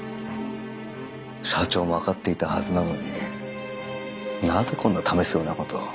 社長も分かっていたはずなのになぜこんな試すようなことを。